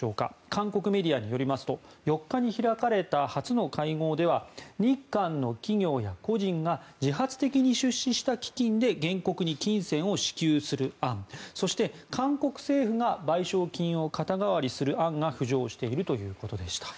韓国メディアによりますと４日に開かれた初の会合では日韓の企業や個人が自発的に出資した基金で原告に金銭を支給する案そして、韓国政府が賠償金を肩代わりする案が浮上しているということでした。